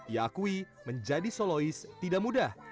ia akui menjadi solois tidak mudah